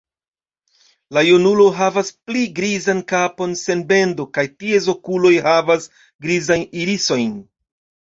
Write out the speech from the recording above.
La junulo havas pli grizan kapon sen bendo kaj ties okuloj havas grizajn irisojn.